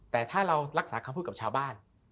แต่ถ้าเรารักษาคำพูดกับชาวบ้าน